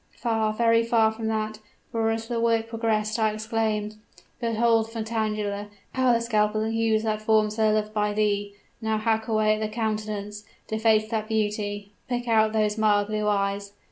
Far very far from that for as the work progressed, I exclaimed "'Behold, Vitangela, how the scalpel hews that form so loved by thee! Now hack away at the countenance deface that beauty pick out those mild blue eyes!'